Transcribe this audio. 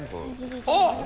あっ！